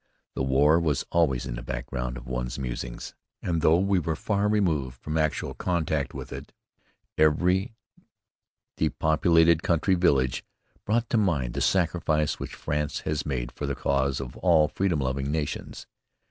The war was always in the background of one's musings, and while we were far removed from actual contact with it, every depopulated country village brought to mind the sacrifice which France has made for the cause of all freedom loving nations.